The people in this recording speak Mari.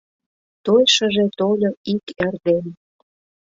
Той шыже тольо ик эрден —